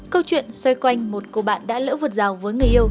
câu chuyện xoay quanh một cô bạn đã lỡ vượt rào với người yêu